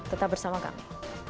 tetap bersama kami